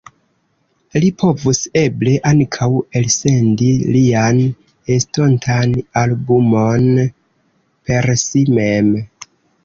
Li povus eble ankaŭ elsendi lian estontan albumon per si mem.